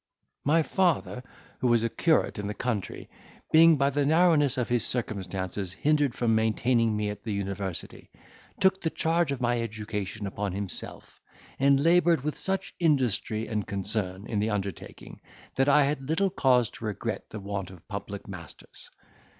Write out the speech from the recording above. "My father, who was a curate in the country, being by the narrowness of his circumstances hindered from maintaining me at the university, took the charge of my education upon himself, and laboured with such industry and concern in the undertaking, that I had little cause to regret the want of public masters.